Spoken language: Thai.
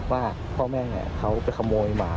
ว่าพ่อแม่เขาไปขโมยหมา